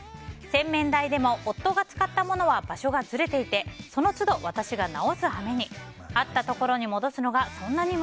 洗面台でも夫が使ったものは場所がずれていてその都度、私が直すはめに。